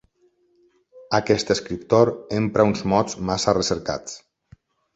Aquest escriptor empra uns mots massa recercats.